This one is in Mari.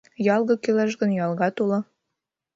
Юалге кӱлеш гын, юалгат уло...